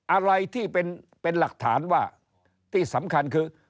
อะไรที่เป็นหลักฐานว่าที่สำคัญคือ